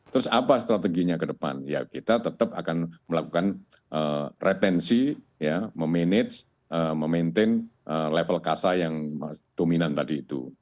terus apa strateginya ke depan ya kita tetap akan melakukan retensi ya memanage memaintain level kasa yang dominan tadi itu